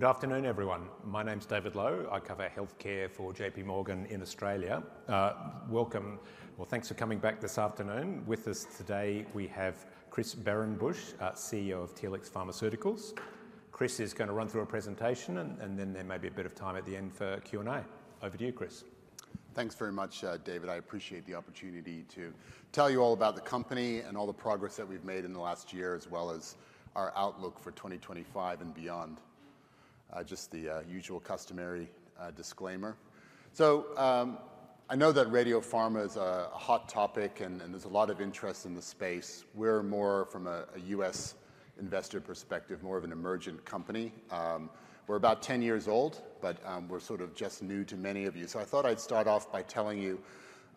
Good afternoon, everyone. My name's David Low. I cover healthcare for J.P. Morgan in Australia. Well, thanks for coming back this afternoon. With us today, we have Chris Behrenbruch, CEO of Telix Pharmaceuticals. Chris is going to run through a presentation, and then there may be a bit of time at the end for Q&A. Over to you, Chris. Thanks very much, David. I appreciate the opportunity to tell you all about the company and all the progress that we've made in the last year, as well as our outlook for 2025 and beyond. Just the usual customary disclaimer. So, I know that radiopharma is a hot topic, and there's a lot of interest in the space. We're more from a U.S. investor perspective more of an emergent company. We're about 10 years old, but we're sort of just new to many of you. So I thought I'd start off by telling you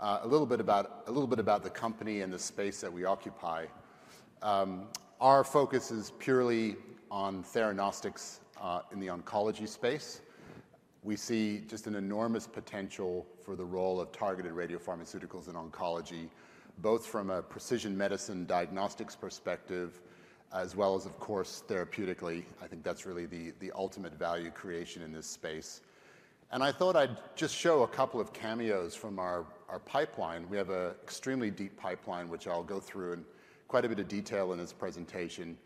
a little bit about the company and the space that we occupy. Our focus is purely on theranostics in the oncology space. We see just an enormous potential for the role of targeted radiopharmaceuticals in oncology, both from a precision medicine diagnostics perspective, as well as of course therapeutically. I think that's really the ultimate value creation in this space. And I thought I'd just show a couple of cameos from our pipeline. We have an extremely deep pipeline, which I'll go through in quite a bit of detail in this presentation.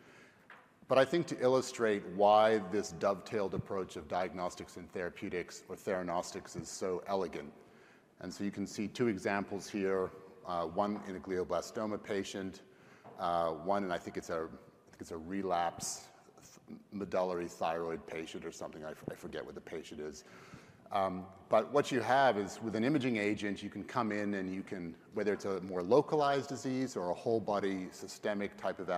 But I think to illustrate why this dovetailed approach of diagnostics and therapeutics, or theranostics, is so elegant. And so you can see two examples here, one in a glioblastoma patient, one—and I think it's a—I think it's a relapse medullary thyroid patient or something. I forget what the patient is. But what you have is, with an imaging agent, you can come in and you can—whether it's a more localized disease or a whole-body systemic type of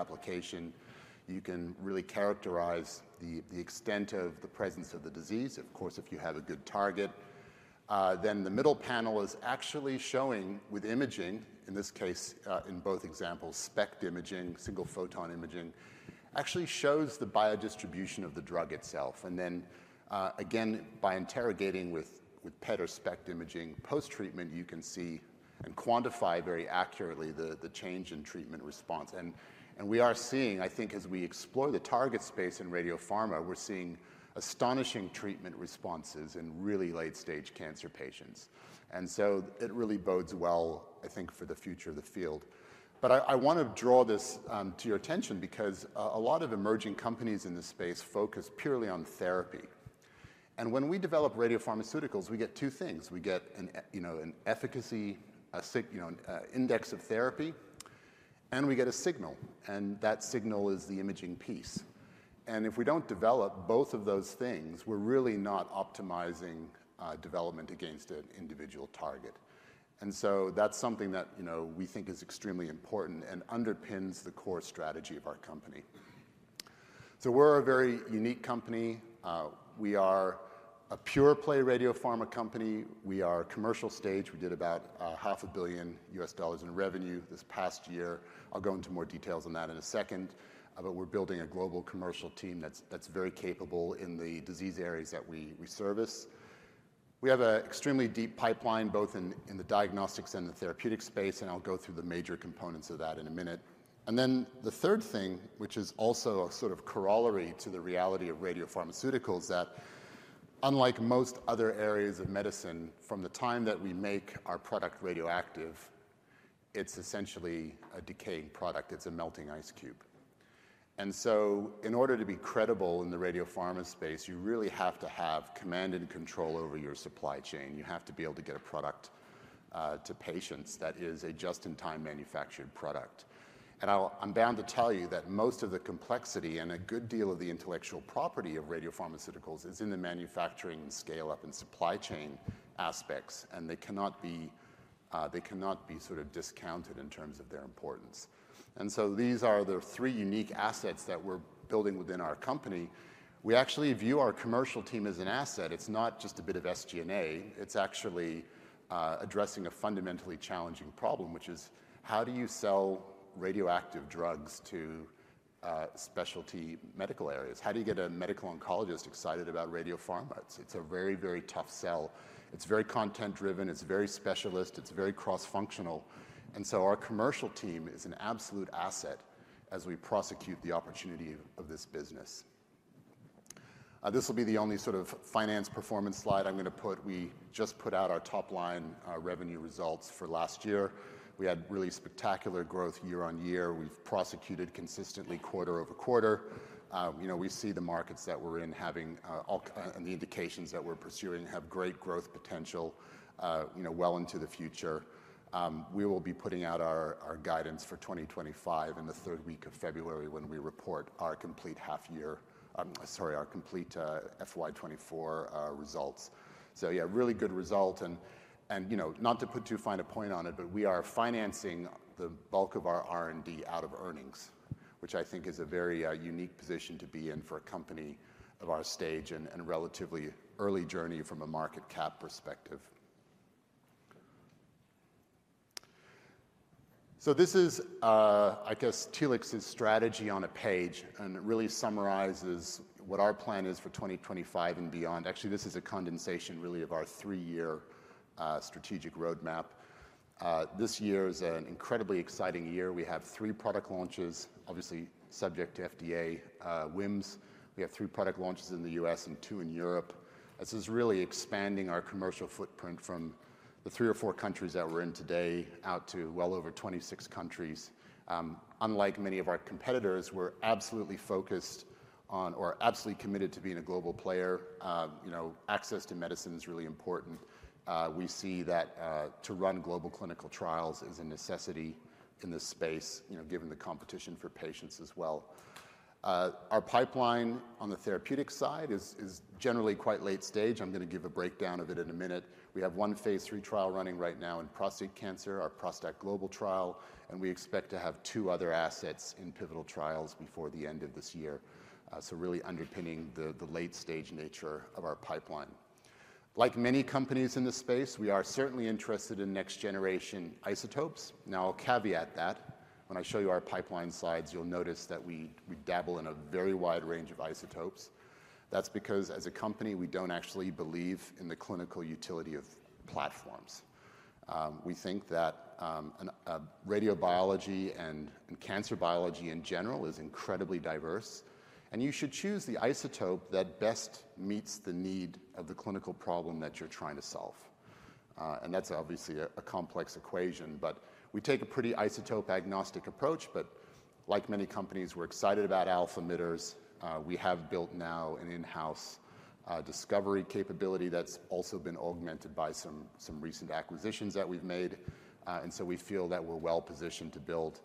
application—you can really characterize the extent of the presence of the disease, of course, if you have a good target. Then the middle panel is actually showing, with imaging, in this case, in both examples, SPECT imaging, single photon imaging, actually shows the biodistribution of the drug itself. And then, again, by interrogating with PET or SPECT imaging post-treatment, you can see and quantify very accurately the change in treatment response. And we are seeing, I think, as we explore the target space in radiopharma, we're seeing astonishing treatment responses in really late-stage cancer patients. And so it really bodes well, I think, for the future of the field. But I want to draw this to your attention because a lot of emerging companies in this space focus purely on therapy. And when we develop radiopharmaceuticals, we get two things. We get, you know, an efficacy, you know, an index of therapy, and we get a signal. And that signal is the imaging piece. If we don't develop both of those things, we're really not optimizing development against an individual target. And so that's something that, you know, we think is extremely important and underpins the core strategy of our company. So we're a very unique company. We are a pure-play radiopharma company. We are commercial stage. We did about $500 million in revenue this past year. I'll go into more details on that in a second. But we're building a global commercial team that's very capable in the disease areas that we service. We have an extremely deep pipeline, both in the diagnostics and the therapeutic space, and I'll go through the major components of that in a minute. And then the third thing, which is also a sort of corollary to the reality of radiopharmaceuticals, is that, unlike most other areas of medicine, from the time that we make our product radioactive, it's essentially a decaying product. It's a melting ice cube. And so, in order to be credible in the radiopharma space, you really have to have command and control over your supply chain. You have to be able to get a product to patients that is a just-in-time manufactured product. And I'm bound to tell you that most of the complexity and a good deal of the intellectual property of radiopharmaceuticals is in the manufacturing and scale-up and supply chain aspects, and they cannot be sort of discounted in terms of their importance. And so these are the three unique assets that we're building within our company. We actually view our commercial team as an asset. It's not just a bit of SG&A. It's actually addressing a fundamentally challenging problem, which is how do you sell radioactive drugs to specialty medical areas? How do you get a medical oncologist excited about radiopharma? It's a very, very tough sell. It's very content-driven. It's very specialist. It's very cross-functional. And so our commercial team is an absolute asset as we prosecute the opportunity of this business. This will be the only sort of finance performance slide I'm going to put. We just put out our top-line revenue results for last year. We had really spectacular growth year on year. We've prosecuted consistently quarter over quarter. You know, we see the markets that we're in having all the indications that we're pursuing have great growth potential, you know, well into the future. We will be putting out our guidance for 2025 in the third week of February when we report our complete FY24 results. So, yeah, really good result. And, you know, not to put too fine a point on it, but we are financing the bulk of our R&D out of earnings, which I think is a very unique position to be in for a company of our stage and relatively early journey from a market cap perspective. So this is, I guess, Telix's strategy on a page, and it really summarizes what our plan is for 2025 and beyond. Actually, this is a condensation, really, of our three-year strategic roadmap. This year is an incredibly exciting year. We have three product launches, obviously subject to FDA, EMA. We have three product launches in the U.S. and two in Europe. This is really expanding our commercial footprint from the three or four countries that we're in today out to well over 26 countries. Unlike many of our competitors, we're absolutely focused on, or absolutely committed to being a global player. You know, access to medicine is really important. We see that, to run global clinical trials is a necessity in this space, you know, given the competition for patients as well. Our pipeline on the therapeutic side is generally quite late stage. I'm going to give a breakdown of it in a minute. We have one phase three trial running right now in prostate cancer, our PROSTACT Global trial, and we expect to have two other assets in pivotal trials before the end of this year. So really underpinning the late-stage nature of our pipeline. Like many companies in this space, we are certainly interested in next-generation isotopes. Now, I'll caveat that. When I show you our pipeline slides, you'll notice that we dabble in a very wide range of isotopes. That's because, as a company, we don't actually believe in the clinical utility of platforms. We think that, radiobiology and cancer biology in general is incredibly diverse, and you should choose the isotope that best meets the need of the clinical problem that you're trying to solve. And that's obviously a complex equation, but we take a pretty isotope-agnostic approach. But like many companies, we're excited about alpha emitters. We have built now an in-house, discovery capability that's also been augmented by some recent acquisitions that we've made. And so we feel that we're well-positioned to build,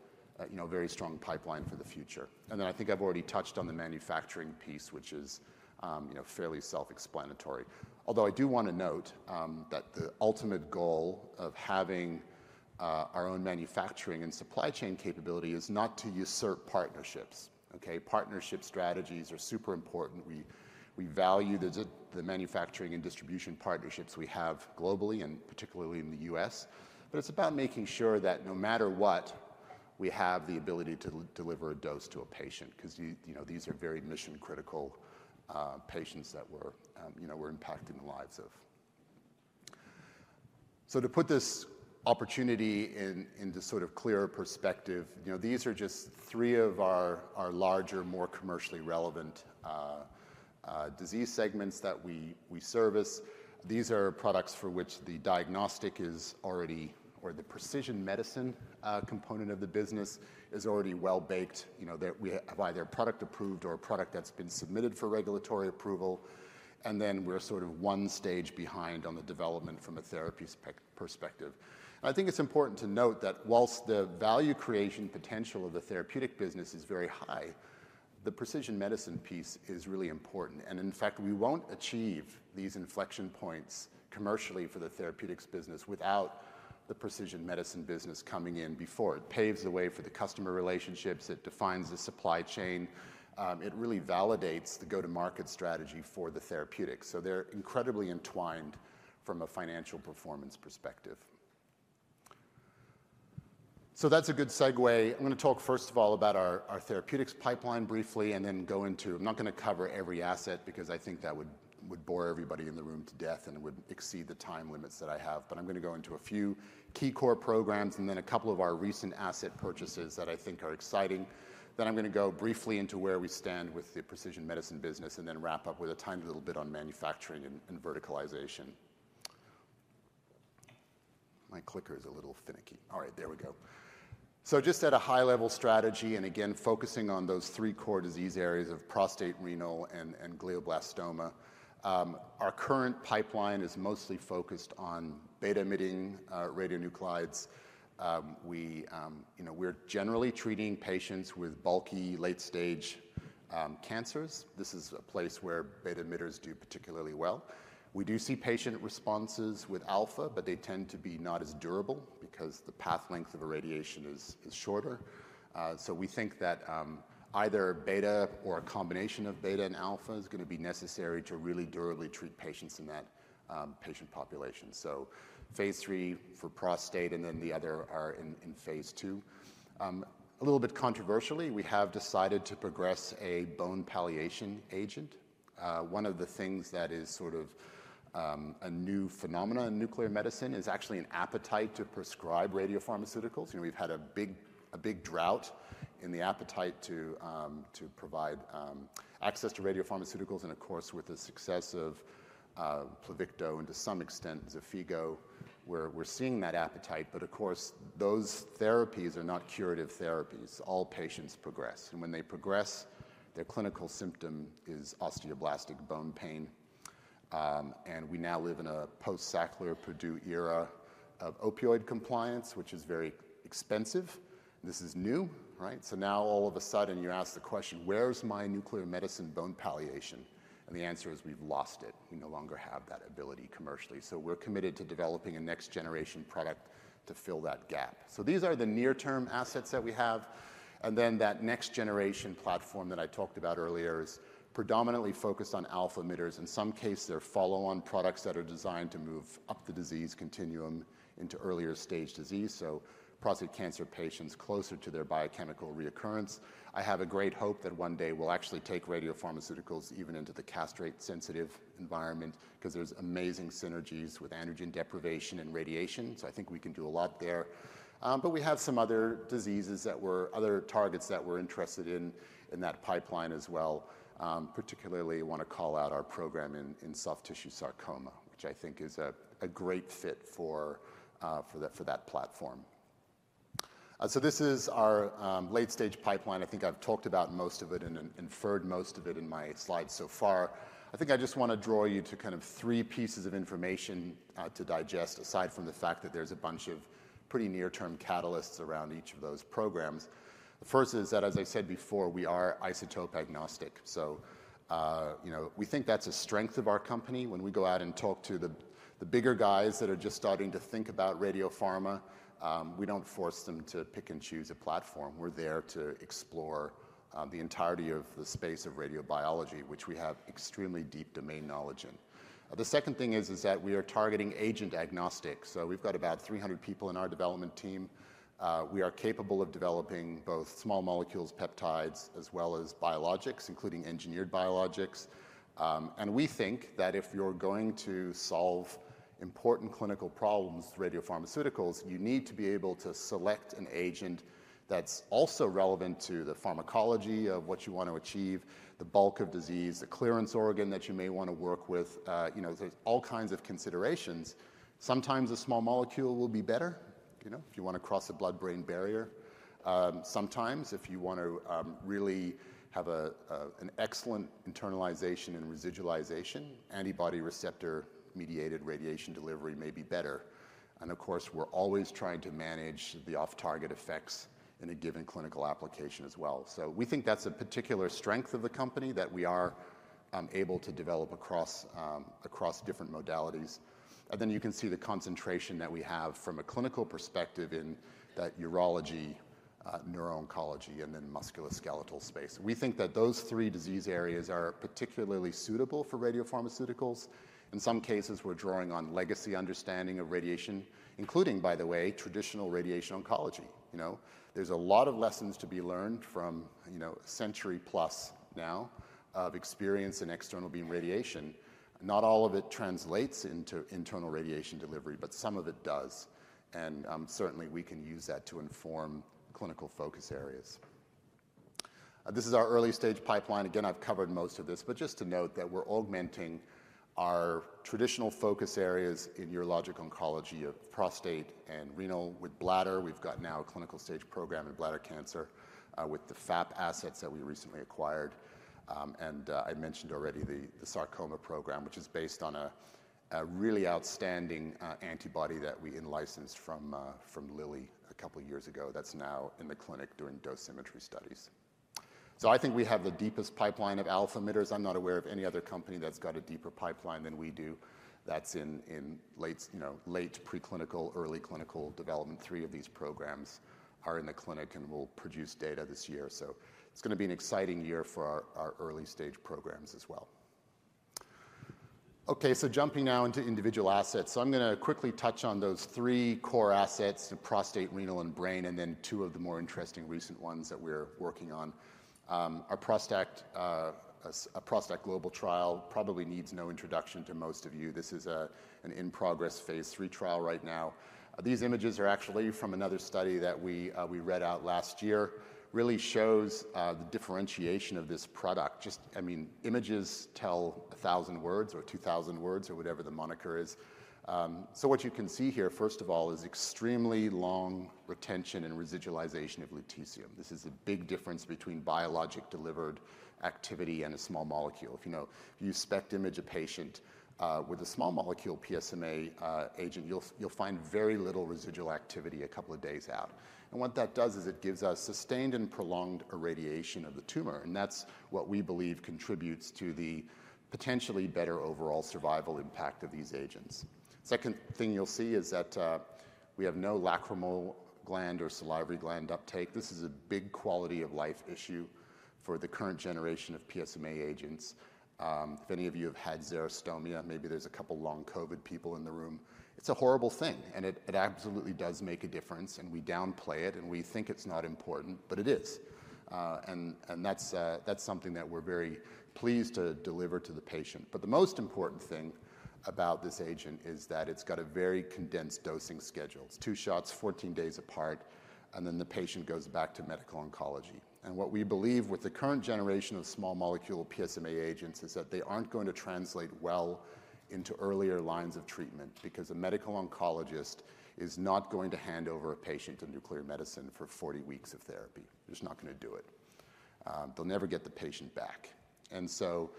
you know, a very strong pipeline for the future. And then I think I've already touched on the manufacturing piece, which is, you know, fairly self-explanatory. Although I do want to note that the ultimate goal of having our own manufacturing and supply chain capability is not to usurp partnerships. Okay? Partnership strategies are super important. We value the manufacturing and distribution partnerships we have globally and particularly in the U.S. But it's about making sure that no matter what, we have the ability to deliver a dose to a patient because, you know, these are very mission-critical patients that we're, you know, we're impacting the lives of. So to put this opportunity in this sort of clearer perspective, you know, these are just three of our larger, more commercially relevant disease segments that we service. These are products for which the diagnostic is already, or the precision medicine component of the business is already well-baked. You know, that we have either product approved or product that's been submitted for regulatory approval. And then we're sort of one stage behind on the development from a therapy perspective. And I think it's important to note that while the value creation potential of the therapeutic business is very high, the precision medicine piece is really important. And in fact, we won't achieve these inflection points commercially for the therapeutics business without the precision medicine business coming in before. It paves the way for the customer relationships. It defines the supply chain. It really validates the go-to-market strategy for the therapeutics. So they're incredibly entwined from a financial performance perspective. So that's a good segue. I'm going to talk, first of all, about our therapeutics pipeline briefly and then go into, I'm not going to cover every asset because I think that would bore everybody in the room to death and would exceed the time limits that I have. But I'm going to go into a few key core programs and then a couple of our recent asset purchases that I think are exciting. Then I'm going to go briefly into where we stand with the precision medicine business and then wrap up with a tiny little bit on manufacturing and verticalization. My clicker is a little finicky. All right, there we go. So just at a high-level strategy and again focusing on those three core disease areas of prostate, renal, and glioblastoma, our current pipeline is mostly focused on beta-emitting radionuclides. We, you know, we're generally treating patients with bulky late-stage cancers. This is a place where beta-emitters do particularly well. We do see patient responses with alpha, but they tend to be not as durable because the path length of irradiation is shorter. So we think that either beta or a combination of beta and alpha is going to be necessary to really durably treat patients in that patient population. So phase three for prostate and then the other are in phase two. A little bit controversially, we have decided to progress a bone palliation agent. One of the things that is sort of a new phenomenon in nuclear medicine is actually an appetite to prescribe radiopharmaceuticals. You know, we've had a big drought in the appetite to provide access to radiopharmaceuticals and, of course, with the success of Pluvicto and to some extent Xofigo, we're seeing that appetite. But of course, those therapies are not curative therapies. All patients progress. And when they progress, their clinical symptom is osteoblastic bone pain. And we now live in a post-Sackler-Purdue era of opioid compliance, which is very expensive. This is new, right? So now all of a sudden, you ask the question, where's my nuclear medicine bone palliation? And the answer is we've lost it. We no longer have that ability commercially. So we're committed to developing a next-generation product to fill that gap. So these are the near-term assets that we have. And then that next-generation platform that I talked about earlier is predominantly focused on alpha-emitters. In some cases, they're follow-on products that are designed to move up the disease continuum into earlier-stage disease. So prostate cancer patients closer to their biochemical recurrence. I have a great hope that one day we'll actually take radiopharmaceuticals even into the castrate-sensitive environment because there's amazing synergies with androgen deprivation and radiation. So I think we can do a lot there, but we have some other targets that we're interested in in that pipeline as well. Particularly, I want to call out our program in soft tissue sarcoma, which I think is a great fit for that platform, so this is our late-stage pipeline. I think I've talked about most of it and inferred most of it in my slides so far. I think I just want to draw you to kind of three pieces of information to digest, aside from the fact that there's a bunch of pretty near-term catalysts around each of those programs. The first is that, as I said before, we are isotope-agnostic, so you know, we think that's a strength of our company. When we go out and talk to the bigger guys that are just starting to think about radiopharma, we don't force them to pick and choose a platform. We're there to explore the entirety of the space of radiobiology, which we have extremely deep domain knowledge in. The second thing is that we are targeting agent-agnostic, so we've got about 300 people in our development team. We are capable of developing both small molecules, peptides, as well as biologics, including engineered biologics, and we think that if you're going to solve important clinical problems with radiopharmaceuticals, you need to be able to select an agent that's also relevant to the pharmacology of what you want to achieve, the bulk of disease, the clearance organ that you may want to work with, you know, there's all kinds of considerations. Sometimes a small molecule will be better, you know, if you want to cross a blood-brain barrier, sometimes if you want to really have an excellent internalization and residualization, antibody receptor-mediated radiation delivery may be better, and of course, we're always trying to manage the off-target effects in a given clinical application as well. So we think that's a particular strength of the company that we are able to develop across different modalities. Then you can see the concentration that we have from a clinical perspective in that urology, neurooncology, and then musculoskeletal space. We think that those three disease areas are particularly suitable for radiopharmaceuticals. In some cases, we're drawing on legacy understanding of radiation, including, by the way, traditional radiation oncology. You know, there's a lot of lessons to be learned from, you know, a century-plus now of experience in external beam radiation. Not all of it translates into internal radiation delivery, but some of it does. And certainly we can use that to inform clinical focus areas. This is our early-stage pipeline. Again, I've covered most of this, but just to note that we're augmenting our traditional focus areas in urologic oncology of prostate and renal with bladder. We've got now a clinical stage program in bladder cancer, with the FAP assets that we recently acquired. And, I mentioned already the sarcoma program, which is based on a really outstanding antibody that we licensed from Lilly a couple of years ago that's now in the clinic doing dosimetry studies. So I think we have the deepest pipeline of alpha-emitters. I'm not aware of any other company that's got a deeper pipeline than we do. That's in late, you know, late preclinical, early clinical development. Three of these programs are in the clinic and will produce data this year. So it's going to be an exciting year for our early-stage programs as well. Okay, so jumping now into individual assets. So I'm going to quickly touch on those three core assets: the prostate, renal, and brain, and then two of the more interesting recent ones that we're working on. Our PROSTACT, a PROSTACT Global trial probably needs no introduction to most of you. This is an in-progress phase three trial right now. These images are actually from another study that we read out last year. It really shows the differentiation of this product. Just, I mean, images tell a thousand words or two thousand words or whatever the moniker is. So what you can see here, first of all, is extremely long retention and residualization of Lutetium. This is a big difference between biologic-delivered activity and a small molecule. If you know, if you SPECT image a patient with a small molecule PSMA agent, you'll find very little residual activity a couple of days out. And what that does is it gives us sustained and prolonged irradiation of the tumor. And that's what we believe contributes to the potentially better overall survival impact of these agents. Second thing you'll see is that, we have no lacrimal gland or salivary gland uptake. This is a big quality of life issue for the current generation of PSMA agents. If any of you have had xerostomia, maybe there's a couple of Long COVID people in the room. It's a horrible thing. And it absolutely does make a difference. And we downplay it. And we think it's not important, but it is. And that's something that we're very pleased to deliver to the patient. But the most important thing about this agent is that it's got a very condensed dosing schedule. It's two shots 14 days apart. And then the patient goes back to medical oncology. And what we believe with the current generation of small molecule PSMA agents is that they aren't going to translate well into earlier lines of treatment because a medical oncologist is not going to hand over a patient to nuclear medicine for 40 weeks of therapy. They're just not going to do it. They'll never get the patient back. And so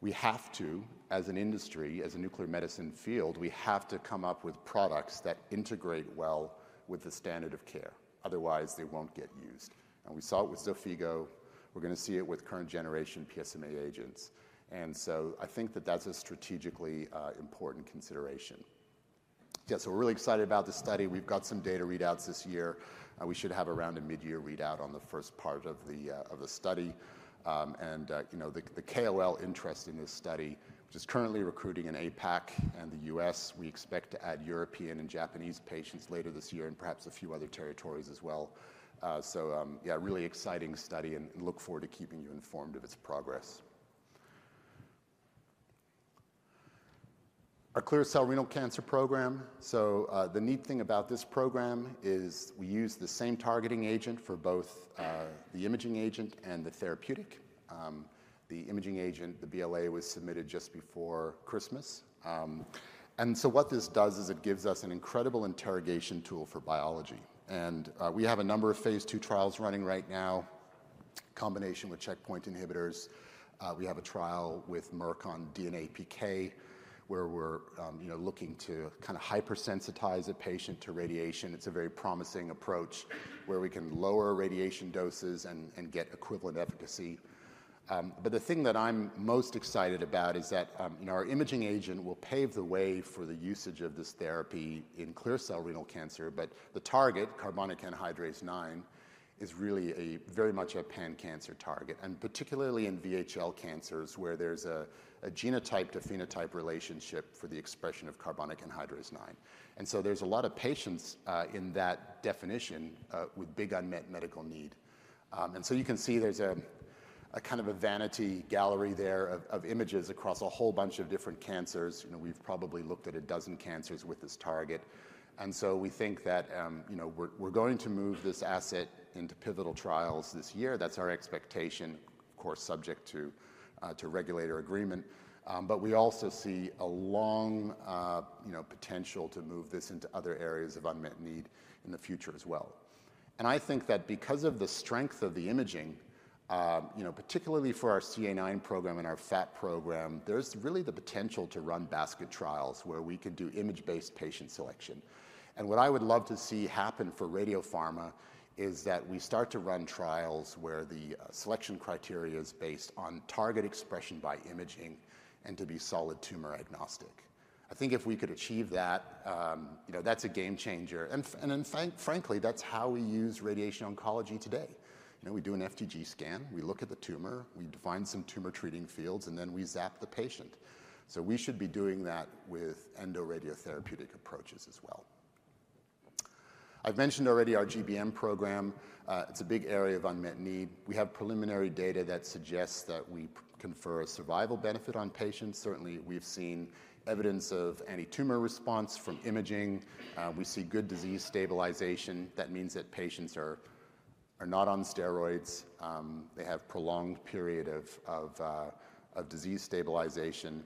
we have to, as an industry, as a nuclear medicine field, we have to come up with products that integrate well with the standard of care. Otherwise, they won't get used. And we saw it with Xofigo. We're going to see it with current generation PSMA agents. And so I think that that's a strategically important consideration. Yeah, so we're really excited about the study. We've got some data readouts this year. We should have around a mid-year readout on the first part of the study. And you know, the KOL interest in this study, which is currently recruiting in APAC and the US. We expect to add European and Japanese patients later this year and perhaps a few other territories as well. So, yeah, really exciting study and look forward to keeping you informed of its progress. Our clear cell renal cancer program. So, the neat thing about this program is we use the same targeting agent for both, the imaging agent and the therapeutic. The imaging agent, the BLA, was submitted just before Christmas. And so what this does is it gives us an incredible interrogation tool for biology. And we have a number of phase two trials running right now, in combination with checkpoint inhibitors. We have a trial with Merck on DNA-PK where we're, you know, looking to kind of radiosensitize a patient to radiation. It's a very promising approach where we can lower radiation doses and get equivalent efficacy. But the thing that I'm most excited about is that, you know, our imaging agent will pave the way for the usage of this therapy in clear cell renal cancer, but the target, carbonic anhydrase IX, is really a very much a pan-cancer target, and particularly in VHL cancers where there's a genotype to phenotype relationship for the expression of carbonic anhydrase IX. So there's a lot of patients, in that definition, with big unmet medical need. So you can see there's a kind of a vanity gallery there of images across a whole bunch of different cancers. You know, we've probably looked at a dozen cancers with this target. So we think that, you know, we're going to move this asset into pivotal trials this year. That's our expectation, of course, subject to regulatory agreement, but we also see a long, you know, potential to move this into other areas of unmet need in the future as well. And I think that because of the strength of the imaging, you know, particularly for our CA9 program and our FAP program, there's really the potential to run basket trials where we can do image-based patient selection. And what I would love to see happen for radiopharma is that we start to run trials where the selection criteria is based on target expression by imaging and to be solid tumor agnostic. I think if we could achieve that, you know, that's a game changer. And then frankly, that's how we use radiation oncology today. You know, we do an FDG scan. We look at the tumor. We define some tumor treating fields, and then we zap the patient, so we should be doing that with radiotherapeutic approaches as well. I've mentioned already our GBM program. It's a big area of unmet need. We have preliminary data that suggests that we confer a survival benefit on patients. Certainly, we've seen evidence of antitumor response from imaging. We see good disease stabilization. That means that patients are not on steroids. They have a prolonged period of disease stabilization.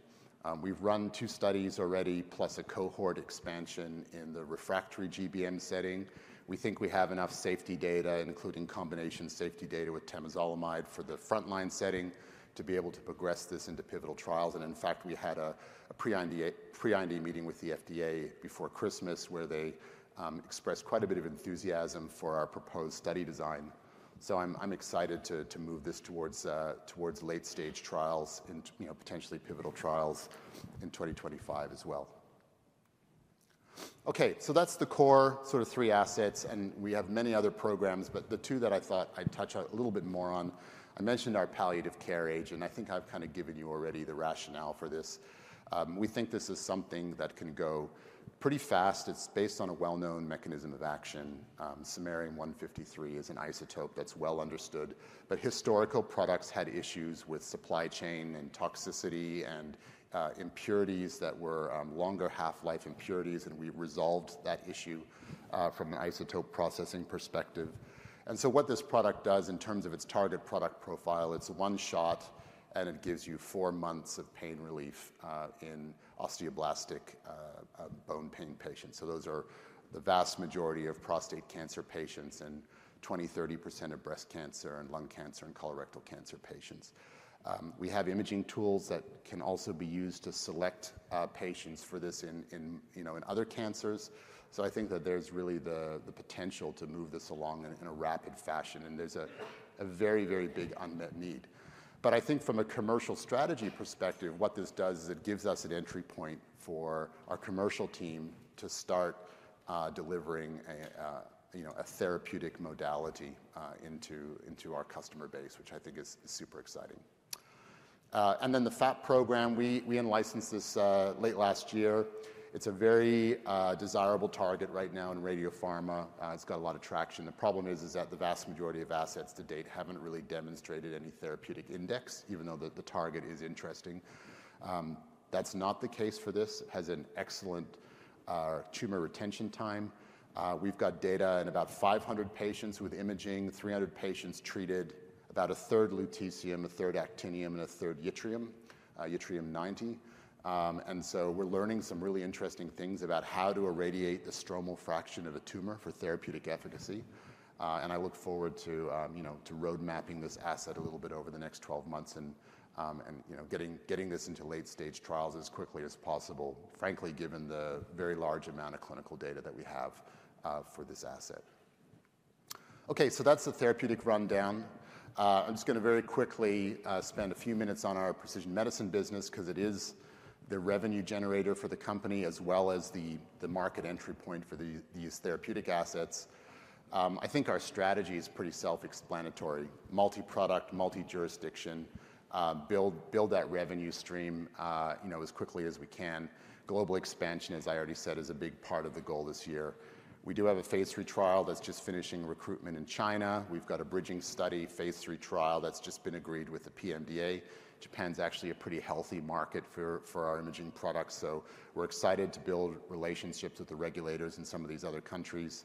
We've run two studies already, plus a cohort expansion in the refractory GBM setting. We think we have enough safety data, including combination safety data with temozolomide for the frontline setting, to be able to progress this into pivotal trials, and in fact, we had a pre-IND meeting with the FDA before Christmas where they expressed quite a bit of enthusiasm for our proposed study design. So I'm excited to move this towards late-stage trials and, you know, potentially pivotal trials in 2025 as well. Okay, so that's the core sort of three assets. And we have many other programs, but the two that I thought I'd touch a little bit more on. I mentioned our palliative care agent. I think I've kind of given you already the rationale for this. We think this is something that can go pretty fast. It's based on a well-known mechanism of action. Samarium-153 is an isotope that's well understood, but historical products had issues with supply chain and toxicity and impurities that were longer half-life impurities. And we resolved that issue from an isotope processing perspective. And so what this product does in terms of its target product profile, it's one shot and it gives you four months of pain relief in osteoblastic bone pain patients. So those are the vast majority of prostate cancer patients and 20%-30% of breast cancer and lung cancer and colorectal cancer patients. We have imaging tools that can also be used to select patients for this in you know in other cancers. So I think that there's really the potential to move this along in a rapid fashion. And there's a very, very big unmet need. But I think from a commercial strategy perspective, what this does is it gives us an entry point for our commercial team to start delivering a you know a therapeutic modality into our customer base, which I think is super exciting. And then the FAP program, we licensed this late last year. It's a very desirable target right now in radiopharma. It's got a lot of traction. The problem is that the vast majority of assets to date haven't really demonstrated any therapeutic index, even though the target is interesting. That's not the case for this. It has an excellent tumor retention time. We've got data in about 500 patients with imaging, 300 patients treated, about a third lutetium, a third actinium, and a third yttrium-90. And so we're learning some really interesting things about how to irradiate the stromal fraction of a tumor for therapeutic efficacy. And I look forward to, you know, to roadmapping this asset a little bit over the next 12 months and, you know, getting this into late-stage trials as quickly as possible, frankly, given the very large amount of clinical data that we have for this asset. Okay, so that's the therapeutic rundown. I'm just going to very quickly spend a few minutes on our precision medicine business because it is the revenue generator for the company as well as the market entry point for these therapeutic assets. I think our strategy is pretty self-explanatory. Multi-product, multi-jurisdiction, build that revenue stream, you know, as quickly as we can. Global expansion, as I already said, is a big part of the goal this year. We do have a phase three trial that's just finishing recruitment in China. We've got a bridging study phase three trial that's just been agreed with the PMDA. Japan's actually a pretty healthy market for our imaging products. So we're excited to build relationships with the regulators in some of these other countries.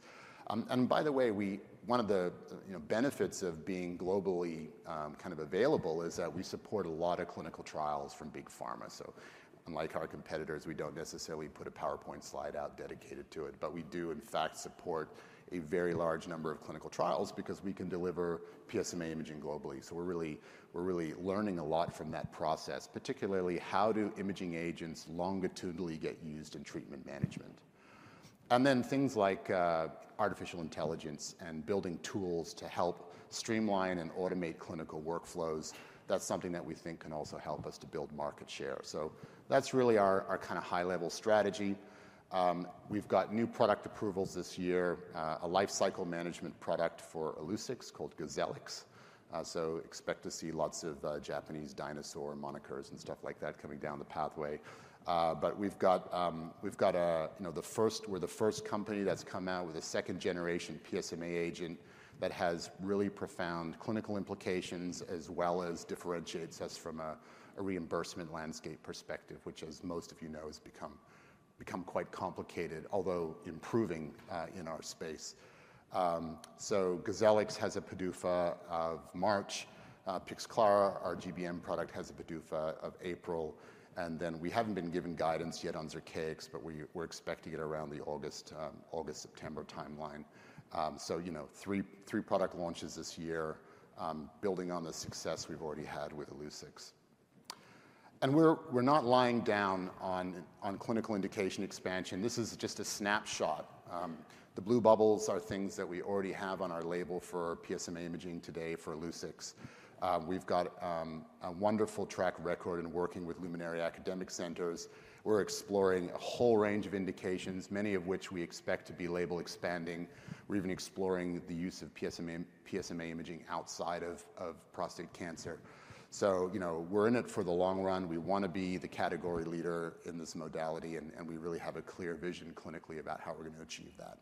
And by the way, one of the, you know, benefits of being globally, kind of available is that we support a lot of clinical trials from big pharma. So unlike our competitors, we don't necessarily put a PowerPoint slide out dedicated to it, but we do, in fact, support a very large number of clinical trials because we can deliver PSMA imaging globally. So we're really learning a lot from that process, particularly how do imaging agents longitudinally get used in treatment management. And then things like artificial intelligence and building tools to help streamline and automate clinical workflows. That's something that we think can also help us to build market share. So that's really our kind of high-level strategy. We've got new product approvals this year, a lifecycle management product for Illuccix called Gozelix. So expect to see lots of Japanese dinosaur monikers and stuff like that coming down the pathway. But we've got a, you know, we're the first company that's come out with a second-generation PSMA agent that has really profound clinical implications as well as differentiates us from a reimbursement landscape perspective, which, as most of you know, has become quite complicated, although improving, in our space. So Gozelix has a PDUFA of March. Pixclara, our GBM product, has a PDUFA of April. And then we haven't been given guidance yet on Zircaix, but we're expecting it around the August-September timeline. So, you know, three product launches this year, building on the success we've already had with Illuccix. We're not lying down on clinical indication expansion. This is just a snapshot. The blue bubbles are things that we already have on our label for PSMA imaging today for Illuccix. We've got a wonderful track record in working with luminary academic centers. We're exploring a whole range of indications, many of which we expect to be label expanding. We're even exploring the use of PSMA imaging outside of prostate cancer. So, you know, we're in it for the long run. We want to be the category leader in this modality, and we really have a clear vision clinically about how we're going to achieve that.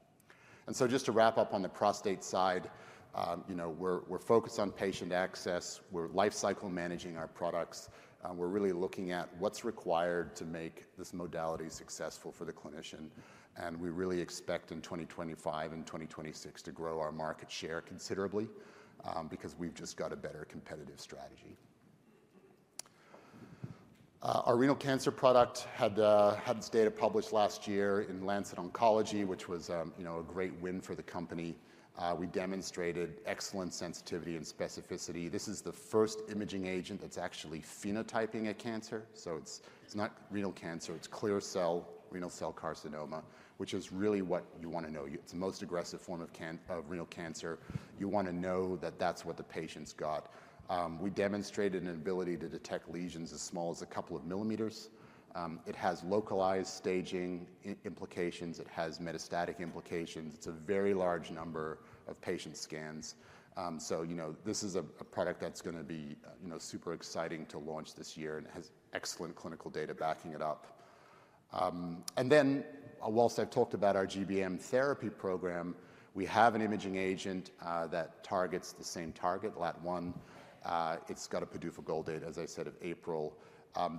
And so just to wrap up on the prostate side, you know, we're focused on patient access. We're lifecycle managing our products. We're really looking at what's required to make this modality successful for the clinician. And we really expect in 2025 and 2026 to grow our market share considerably, because we've just got a better competitive strategy. Our renal cancer product had its data published last year in Lancet Oncology, which was, you know, a great win for the company. We demonstrated excellent sensitivity and specificity. This is the first imaging agent that's actually phenotyping a cancer. So it's not renal cancer. It's clear cell renal cell carcinoma, which is really what you want to know. It's the most aggressive form of cancer, of renal cancer. You want to know that that's what the patient's got. We demonstrated an ability to detect lesions as small as a couple of millimeters. It has localized staging implications. It has metastatic implications. It's a very large number of patient scans. So, you know, this is a, a product that's going to be, you know, super exciting to launch this year and has excellent clinical data backing it up. And then, while I've talked about our GBM therapy program, we have an imaging agent that targets the same target, LAT1. It's got a PDUFA goal date, as I said, of April.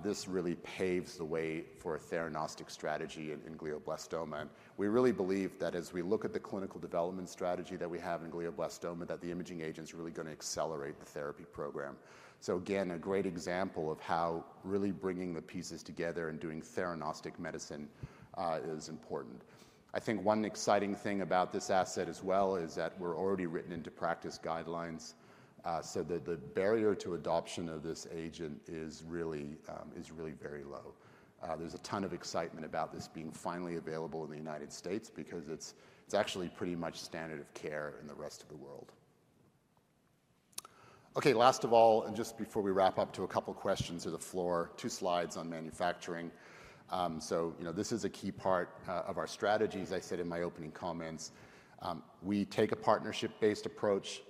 This really paves the way for a theranostic strategy in glioblastoma. We really believe that as we look at the clinical development strategy that we have in glioblastoma, that the imaging agent's really going to accelerate the therapy program. So again, a great example of how really bringing the pieces together and doing theranostic medicine is important. I think one exciting thing about this asset as well is that we're already written into practice guidelines, so that the barrier to adoption of this agent is really, is really very low. There's a ton of excitement about this being finally available in the United States because it's, it's actually pretty much standard of care in the rest of the world. Okay, last of all, and just before we wrap up, to a couple of questions to the floor, two slides on manufacturing. So, you know, this is a key part of our strategy, as I said in my opening comments. We take a partnership-based approach.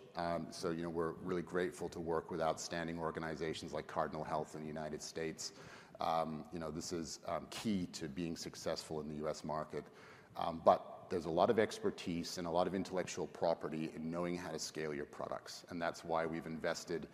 So, you know, we're really grateful to work with outstanding organizations like Cardinal Health in the United States. You know, this is key to being successful in the U.S. market. But there's a lot of expertise and a lot of intellectual property in knowing how to scale your products. And that's why we've invested,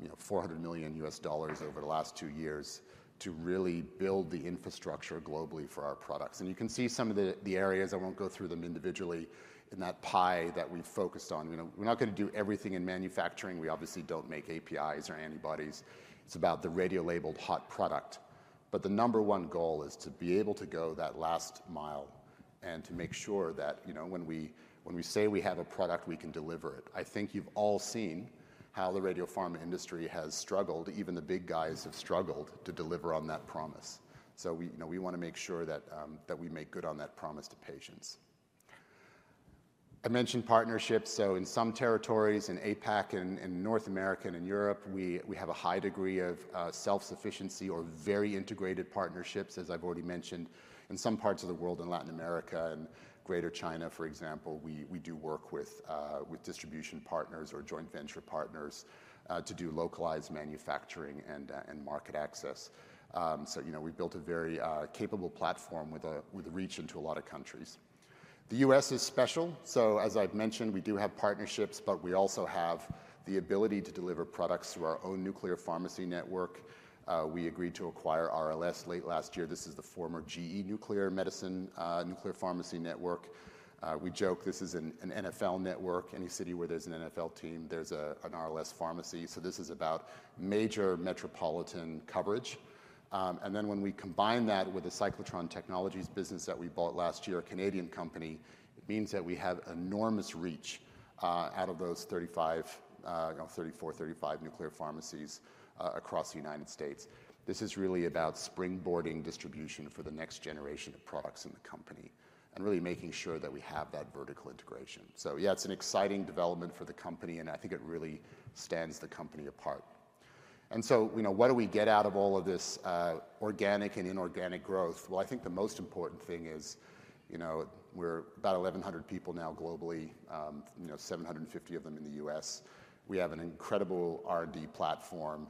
you know, $400 million over the last two years to really build the infrastructure globally for our products. And you can see some of the areas, I won't go through them individually in that pie that we've focused on. You know, we're not going to do everything in manufacturing. We obviously don't make APIs or antibodies. It's about the radio-labeled hot product. But the number one goal is to be able to go that last mile and to make sure that, you know, when we say we have a product, we can deliver it. I think you've all seen how the radiopharma industry has struggled. Even the big guys have struggled to deliver on that promise. So we, you know, we want to make sure that we make good on that promise to patients. I mentioned partnerships. In some territories in APAC and in North America and in Europe, we have a high degree of self-sufficiency or very integrated partnerships, as I've already mentioned, in some parts of the world in Latin America and greater China, for example. We do work with distribution partners or joint venture partners to do localized manufacturing and market access. You know, we've built a very capable platform with a reach into a lot of countries. The U.S. is special. As I've mentioned, we do have partnerships, but we also have the ability to deliver products through our own nuclear pharmacy network. We agreed to acquire RLS late last year. This is the former GE Nuclear Medicine Nuclear Pharmacy Network. We joke this is an NFL network. Any city where there's an NFL team, there's an RLS pharmacy. So this is about major metropolitan coverage, and then when we combine that with the cyclotron technologies business that we bought last year, a Canadian company, it means that we have enormous reach, out of those 35, you know, 34, 35 nuclear pharmacies, across the United States. This is really about springboarding distribution for the next generation of products in the company and really making sure that we have that vertical integration. So, yeah, it's an exciting development for the company, and I think it really stands the company apart. So, you know, what do we get out of all of this, organic and inorganic growth? I think the most important thing is, you know, we're about 1,100 people now globally, you know, 750 of them in the U.S. We have an incredible R&D platform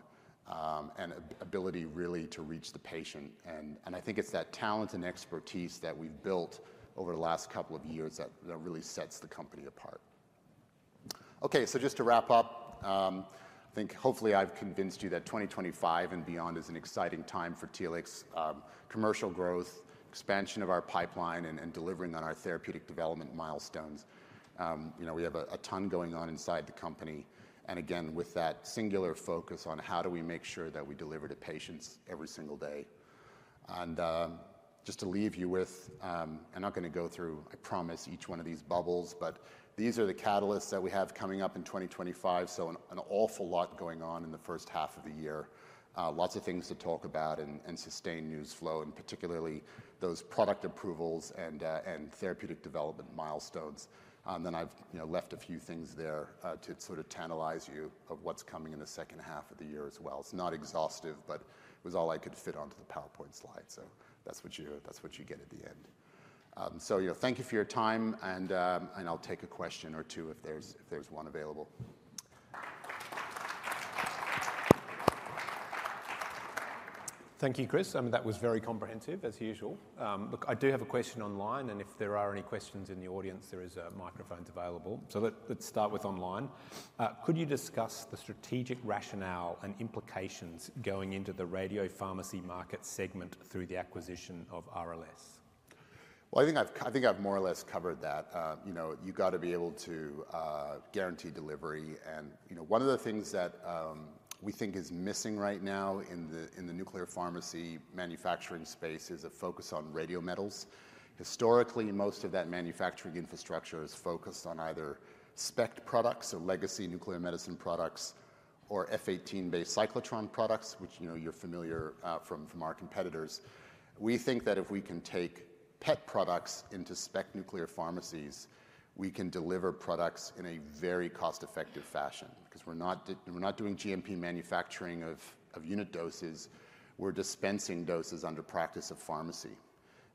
and ability really to reach the patient. And I think it's that talent and expertise that we've built over the last couple of years that really sets the company apart. Okay, so just to wrap up, I think hopefully I've convinced you that 2025 and beyond is an exciting time for Telix, commercial growth, expansion of our pipeline, and delivering on our therapeutic development milestones. You know, we have a ton going on inside the company. And again, with that singular focus on how do we make sure that we deliver to patients every single day. And just to leave you with, I'm not going to go through, I promise, each one of these bubbles, but these are the catalysts that we have coming up in 2025. So an awful lot going on in the first half of the year. Lots of things to talk about and sustain news flow, and particularly those product approvals and therapeutic development milestones. Then I've, you know, left a few things there, to sort of tantalize you of what's coming in the second half of the year as well. It's not exhaustive, but it was all I could fit onto the PowerPoint slide. So that's what you, that's what you get at the end. So, you know, thank you for your time. And I'll take a question or two if there's one available. Thank you, Chris. I mean, that was very comprehensive as usual. Look, I do have a question online, and if there are any questions in the audience, there is a microphone available. So let's start with online. Could you discuss the strategic rationale and implications going into the radiopharmacy market segment through the acquisition of RLS? I think I've more or less covered that. You know, you got to be able to guarantee delivery. You know, one of the things that we think is missing right now in the nuclear pharmacy manufacturing space is a focus on radio metals. Historically, most of that manufacturing infrastructure is focused on either SPECT products or legacy nuclear medicine products or F18-based cyclotron products, which you know you're familiar with from our competitors. We think that if we can take PET products into SPECT nuclear pharmacies, we can deliver products in a very cost-effective fashion because we're not doing GMP manufacturing of unit doses. We're dispensing doses under practice of pharmacy,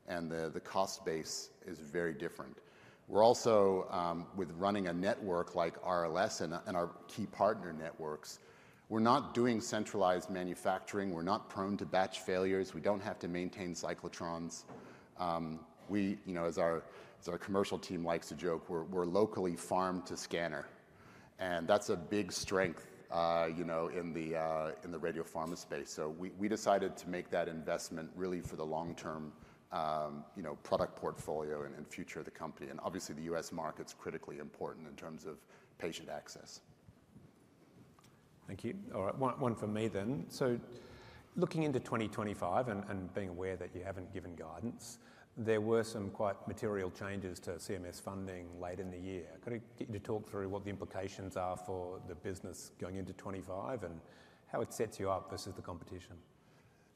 and the cost base is very different. We're also, with running a network like RLS and our key partner networks, not doing centralized manufacturing. We're not prone to batch failures. We don't have to maintain cyclotrons. We, you know, as our commercial team likes to joke, we're locally farmed to scanner. And that's a big strength, you know, in the radiopharma space. So we decided to make that investment really for the long-term, you know, product portfolio and future of the company. And obviously, the U.S. market's critically important in terms of patient access. Thank you. All right, one for me then. So looking into 2025 and being aware that you haven't given guidance, there were some quite material changes to CMS funding late in the year. Could you talk through what the implications are for the business going into 25 and how it sets you up versus the competition?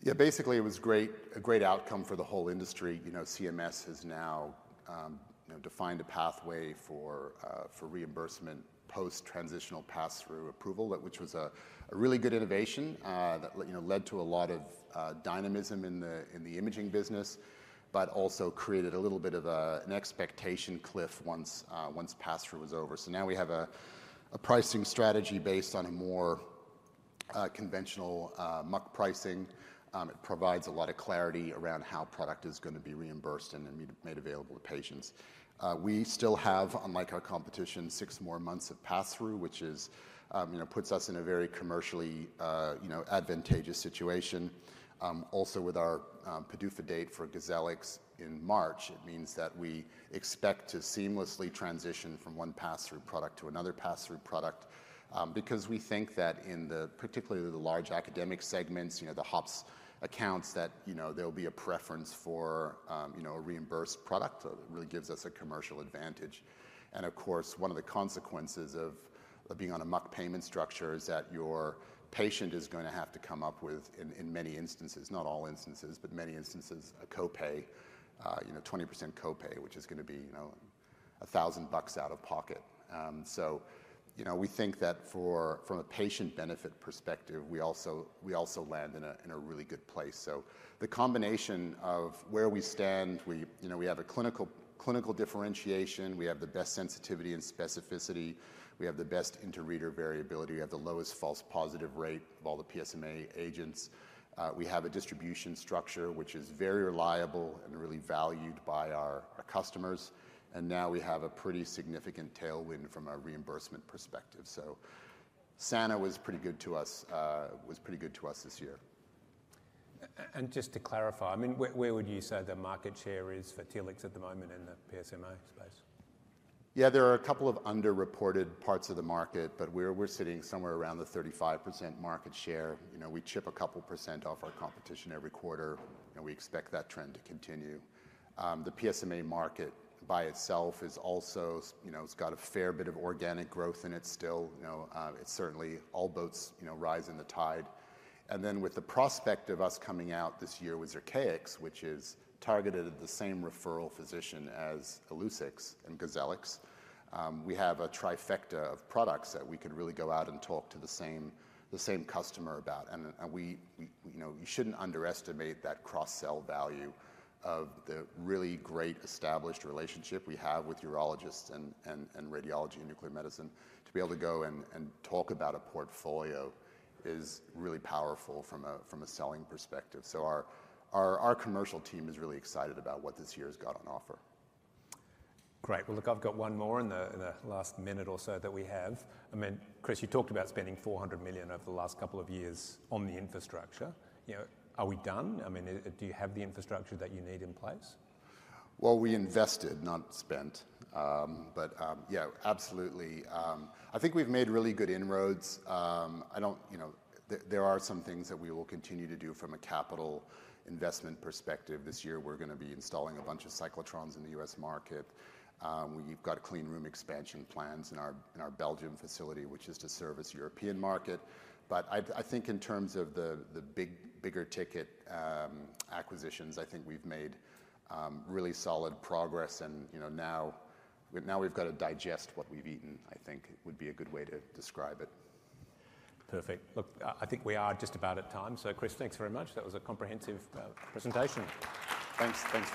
Yeah, basically, it was great, a great outcome for the whole industry. You know, CMS has now, you know, defined a pathway for reimbursement post-transitional pass-through approval, which was a really good innovation, that, you know, led to a lot of dynamism in the imaging business, but also created a little bit of an expectation cliff once pass-through was over. So now we have a pricing strategy based on a more conventional MUC pricing. It provides a lot of clarity around how product is going to be reimbursed and then made available to patients. We still have, unlike our competition, six more months of pass-through, which is, you know, puts us in a very commercially advantageous situation. Also with our PDUFA date for Gozelix in March, it means that we expect to seamlessly transition from one pass-through product to another pass-through product, because we think that in the particularly the large academic segments, you know, the HOPPS accounts, that, you know, there'll be a preference for, you know, a reimbursed product. It really gives us a commercial advantage. And of course, one of the consequences of being on a non-pass-through payment structure is that your patient is going to have to come up with, in many instances, not all instances, but many instances, a copay, you know, 20% copay, which is going to be, you know, $1,000 out of pocket. So, you know, we think that for, from a patient benefit perspective, we also land in a, in a really good place. So the combination of where we stand, we, you know, we have a clinical differentiation. We have the best sensitivity and specificity. We have the best inter-reader variability. We have the lowest false positive rate of all the PSMA agents. We have a distribution structure which is very reliable and really valued by our customers. And now we have a pretty significant tailwind from a reimbursement perspective. So CMS was pretty good to us this year. And just to clarify, I mean, where would you say the market share is for Telix at the moment in the PSMA space? Yeah, there are a couple of underreported parts of the market, but we're sitting somewhere around the 35% market share. You know, we chip a couple percent off our competition every quarter, and we expect that trend to continue. The PSMA market by itself is also, you know, it's got a fair bit of organic growth in it still. You know, it certainly all boats, you know, rise in the tide. And then with the prospect of us coming out this year with Zircaix, which is targeted at the same referral physician as Illuccix and Gozelix, we have a trifecta of products that we could really go out and talk to the same, the same customer about. And, and we, we, you know, you shouldn't underestimate that cross-sell value of the really great established relationship we have with urologists and, and, and radiology and nuclear medicine. To be able to go and, and talk about a portfolio is really powerful from a, from a selling perspective. So our, our, our commercial team is really excited about what this year has got on offer. Great. Look, I've got one more in the last minute or so that we have. I mean, Chris, you talked about spending $400 million over the last couple of years on the infrastructure. You know, are we done? I mean, do you have the infrastructure that you need in place? We invested, not spent, but yeah, absolutely. I think we've made really good inroads. I don't, you know, there are some things that we will continue to do from a capital investment perspective. This year, we're going to be installing a bunch of cyclotrons in the U.S. market. We've got clean room expansion plans in our Belgium facility, which is to service the European market. But I think in terms of the bigger ticket acquisitions, I think we've made really solid progress. And, you know, now, now we've got to digest what we've eaten, I think would be a good way to describe it. Perfect. Look, I think we are just about at time. So, Chris, thanks very much. That was a comprehensive presentation. Thanks. Thanks.